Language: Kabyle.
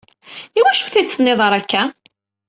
Iwacu ur t-id-tenniḍ ara akka?